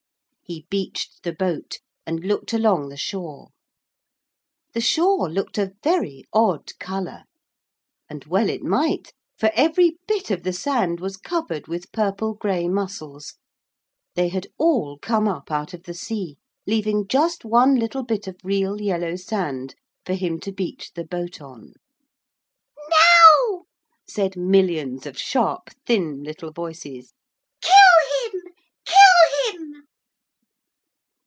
He beached the boat, and looked along the shore. The shore looked a very odd colour. And well it might, for every bit of the sand was covered with purple gray mussels. They had all come up out of the sea leaving just one little bit of real yellow sand for him to beach the boat on. 'Now,' said millions of sharp thin little voices, 'Kill him, kill him!'